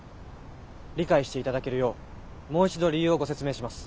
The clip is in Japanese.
理解していただけるようもう一度理由をご説明します。